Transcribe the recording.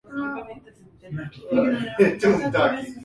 Kuna uhuru wa kisiasa na wa uandushi pia uchaguzi huru